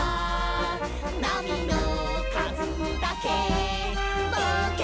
「なみのかずだけぼうけんさ」